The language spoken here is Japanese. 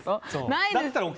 ないです。